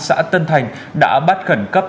xã tân thành đã bắt khẩn cấp